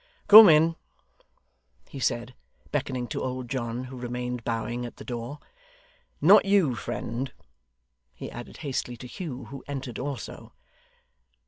'Come in,' he said, beckoning to old John, who remained bowing at the door. 'Not you, friend,' he added hastily to Hugh, who entered also.